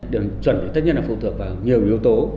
điểm chuẩn tất nhiên là phụ thuộc vào nhiều yếu tố